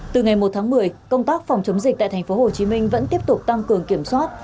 từ ngày một tháng một mươi công tác phòng chống dịch tại tp hcm vẫn tiếp tục tăng cường kiểm soát